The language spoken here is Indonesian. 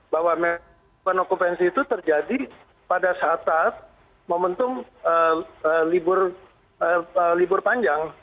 bahwa memang okupansi itu terjadi pada saat saat momentum libur panjang